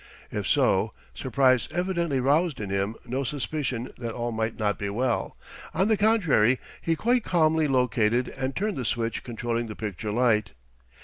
If so, surprise evidently roused in him no suspicion that all might not be well. On the contrary, he quite calmly located and turned the switch controlling the picture light.